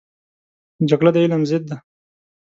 جګړه د علم ضد دی